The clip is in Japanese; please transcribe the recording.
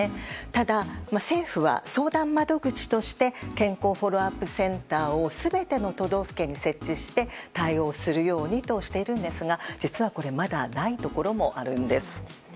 ただ、政府は相談窓口として健康フォローアップセンターを全ての都道府県に設置して対応するようにとしているんですが実は、これまだないところもあるんです。